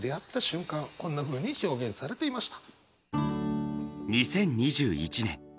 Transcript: こんなふうに表現されていました。